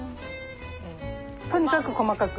とにかく細かく？